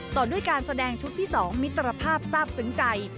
ต่อด้วยการแสดงชุดที่๒มิตรภาพทราบซึ้งใจ